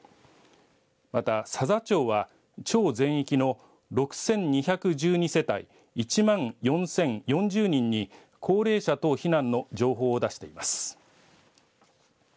また佐々町は町全域の６２１２世帯１万４０４０人に高齢者等避難の情報を出しています。